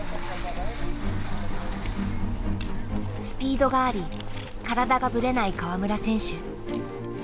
スピードがあり体がぶれない川村選手。